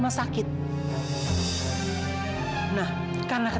dengan tamam pada riz